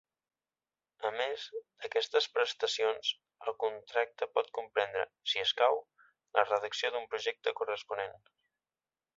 A més d'aquestes prestacions, el contracte pot comprendre, si escau, la redacció del projecte corresponent.